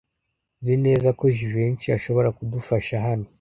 Nzi neza ko Jivency ashobora kudufasha hano.